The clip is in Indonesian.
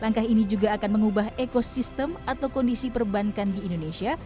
langkah ini juga akan mengubah ekosistem atau kondisi perbankan di indonesia